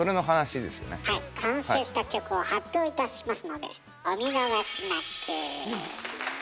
完成した曲を発表いたしますのでお見逃しなく。